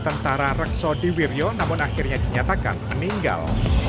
tentara reksodi wirjo namun akhirnya dinyatakan meninggal